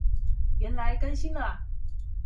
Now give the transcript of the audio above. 原來更新了啊